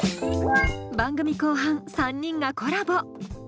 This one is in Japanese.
番組後半３人がコラボ！